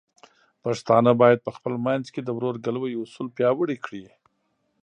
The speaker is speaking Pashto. پښتانه بايد په خپل منځ کې د ورورګلوۍ اصول پیاوړي کړي.